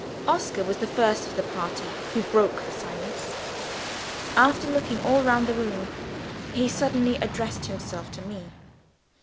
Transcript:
Oscar was the first of the party who broke the silence. After looking all round the room, he suddenly addressed himself to me.